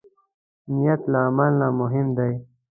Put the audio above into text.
نیت له عمل نه مهم دی.